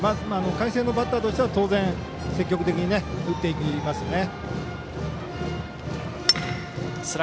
海星のバッターとしては当然、積極的に打っていきますね。